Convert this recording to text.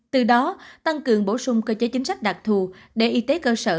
từ đó tăng cường bổ sung cơ chế chính sách đặc thù để y tế cơ sở